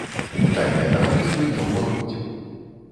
У тайныя таварыствы не ўваходзіў.